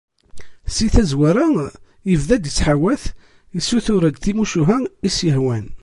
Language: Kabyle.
Si tazwara ibda-d ittḥawat, issutur-d timucuha i as-yehwan.